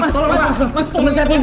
temen saya pun ini